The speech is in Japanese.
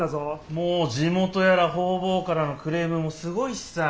もう地元やら方々からのクレームもすごいしさ